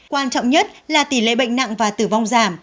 quan trọng nhất là tỷ lệ bệnh nặng và tử vong giảm